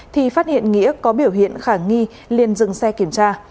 thì phát hiện nghĩa có biểu hiện khả nghi liên dừng xe kiểm tra